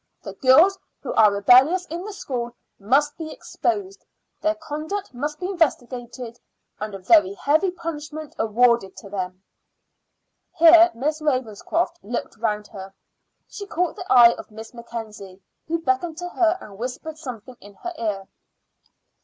The girls who are rebellious in the school must be exposed; their conduct must be investigated, and a very heavy punishment awarded to them." Here Miss Ravenscroft looked round her. She caught the eye of Miss Mackenzie, who beckoned to her and whispered something in her ear.